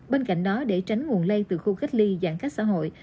bên cạnh đó để tránh nguồn lây từ khu cách ly giãn cách xã hội